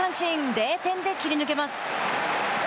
０点で切り抜けます。